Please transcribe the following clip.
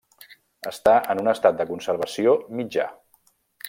Està en un estat de conservació mitjà.